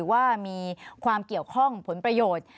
ว่ามีความเกี่ยวข้องผลประโยชน์